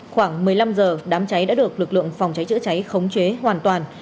khoảng một mươi năm h đám cháy đã được lực lượng phòng cháy chữa cháy khống chế hoàn toàn